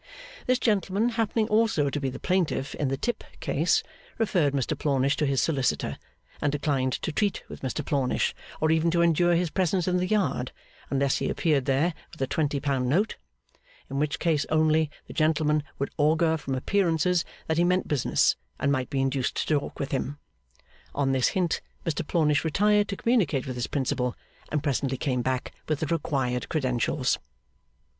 This gentleman, happening also to be the Plaintiff in the Tip case, referred Mr Plornish to his solicitor, and declined to treat with Mr Plornish, or even to endure his presence in the yard, unless he appeared there with a twenty pound note: in which case only, the gentleman would augur from appearances that he meant business, and might be induced to talk to him. On this hint, Mr Plornish retired to communicate with his Principal, and presently came back with the required credentials.